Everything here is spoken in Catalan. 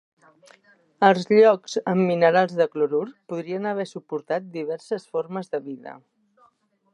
Els llocs amb minerals de clorur podrien haver suportat diverses formes de vida.